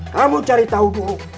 kamu cari tahu dulu